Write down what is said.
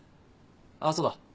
あっそうだ。